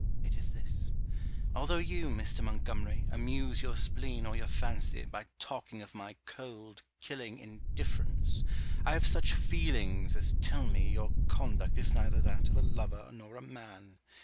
It is this. Although you, Mr. Montgomery, amuse your spleen or your fancy, by talking of my cold killing indifference, I have such feelings as tell me your conduct is neither that of a lover nor a man.